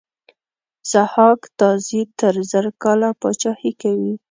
ضحاک تازي تر زر کاله پاچهي کوي.